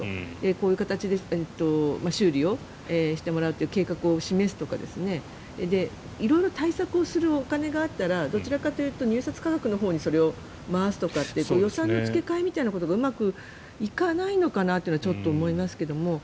こういう形で修理をしてもらって計画を示すとか色々対策をするお金があったらどちらかというと入札価格のほうにそれを回すという予算の付け替えみたいなことがうまくいかないのかなってちょっと思いますけども。